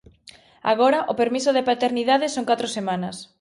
Agora, o permiso de paternidade son catro semanas.